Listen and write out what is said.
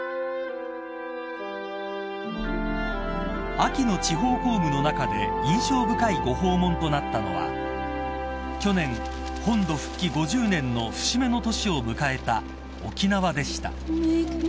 ［秋の地方公務の中で印象深いご訪問となったのは去年本土復帰５０年の節目の年を迎えた沖縄でした］